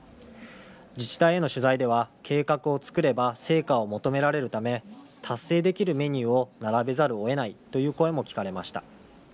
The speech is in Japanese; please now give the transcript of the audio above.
自治体への取材では計画を作れば成果を求められるため達成できるメニューを並べざるをえないという声も聞かれました。